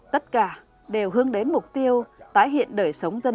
tất cả đều hướng đến mục tiêu tái hiện đời sống dân